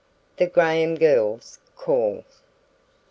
THE GRAHAM GIRLS CALL.